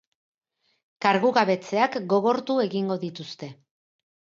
Kargugabetzeak gogortu egingo dituzte.